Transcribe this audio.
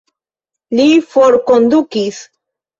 Li forkondukis?